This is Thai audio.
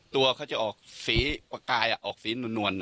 ตัวเขาจะออกสีประกายออกสีนวล